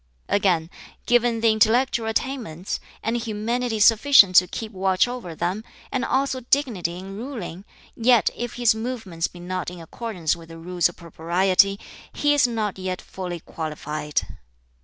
"Again, given the intellectual attainments, and humanity sufficient to keep watch over them, and also dignity in ruling, yet if his movements be not in accordance with the Rules of Propriety, he is not yet fully qualified.